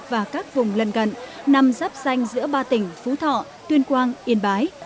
và các vùng lần gần nằm rắp xanh giữa ba tỉnh phú thọ tuyên quang yên bái